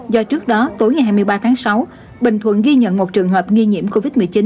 do trước đó tối ngày hai mươi ba tháng sáu bình thuận ghi nhận một trường hợp nghi nhiễm covid một mươi chín